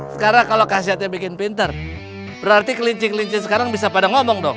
sekarang kalau kasihatnya bikin pinter berarti kelincing kelincing sekarang bisa pada ngomong dong